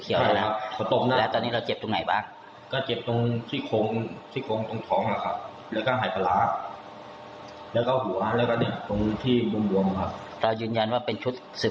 เขียวนะแล้วตอนนี้เราเจ็บตรงไหนบ้างก็เจ็บตรงที่ของที่